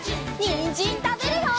にんじんたべるよ！